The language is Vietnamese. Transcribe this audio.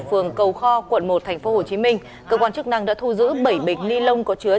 phường cầu kho quận một thành phố hồ chí minh cơ quan chức năng đã thu giữ bảy bịch ni lông có chứa